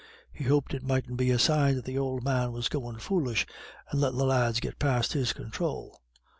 He hoped it mightn't be a sign that the old man was goin' foolish, and lettin' the lads get past his control.